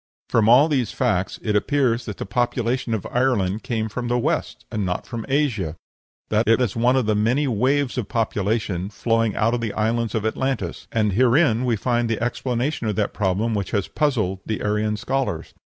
From all these facts it appears that the population of Ireland came from the West, and not from Asia that it was one of the many waves of population flowing out from the Island of Atlantis and herein we find the explanation of that problem which has puzzled the Aryan scholars.